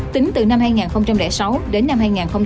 tính từ năm hai nghìn sáu đến năm hai nghìn một mươi